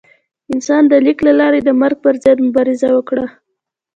انسان د لیک له لارې د مرګ پر ضد مبارزه وکړه.